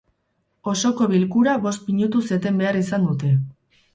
Osoko bilkura bost minutuz eten behar izan dute.